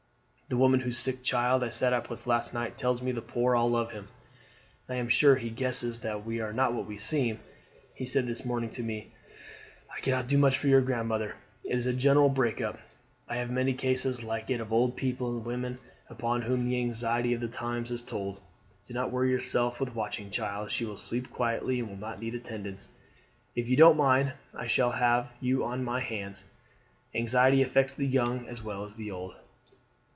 The woman whose sick child I sat up with last night tells me the poor all love him. I am sure he guesses that we are not what we seem. He said this morning to me: "' I cannot do much for your grandmother. It is a general break up. I have many cases like it of old people and women upon whom the anxiety of the times has told. Do not worry yourself with watching, child. She will sleep quietly, and will not need attendance. If you don't mind I shall have you on my hands. Anxiety affects the young as well as the old.'